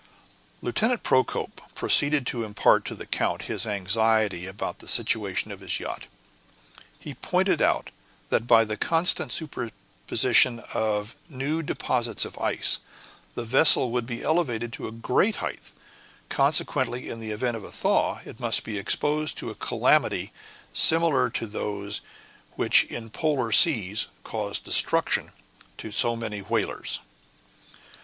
Lieutenant Procope proceeded to impart to the count his anxiety about the situation of his yacht. He pointed out that by the constant superposition of new deposits of ice, the vessel would be elevated to a great height, and consequently in the event of a thaw, it must be exposed to a calamity similar to those which in polar seas cause destruction to so many whalers.